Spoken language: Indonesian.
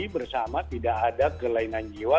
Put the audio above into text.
bersama tidak ada kelainan jiwa